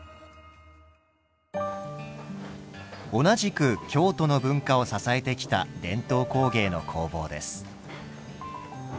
同じく京都の文化を支えてきた伝統工芸の工房です。